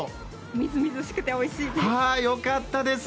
みずみずしくておいしいです。よかったです。